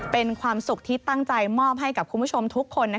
เป็นความสุขที่ตั้งใจมอบให้กับคุณผู้ชมทุกคน